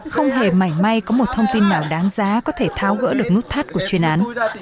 không hề mảnh may có một thông tin nào đáng giá có thể tháo gỡ được nút thắt của chuyên án